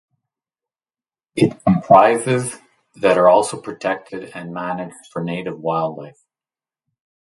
It comprises that are also protected and managed for native wildlife.